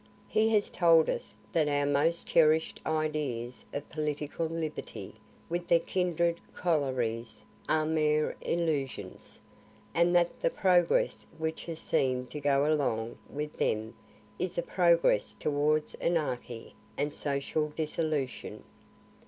He has told us that our most cherish'd ideas of political liberty, with their kindred corollaries, are mere illusions, and that the progress which has seem'd to go along with them is a progress towards anarchy and social dissolution.